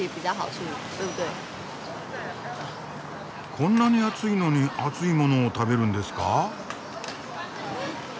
こんなに暑いのに熱いものを食べるんですか？